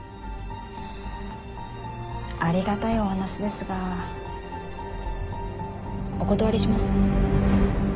ありがたいお話ですがお断りします。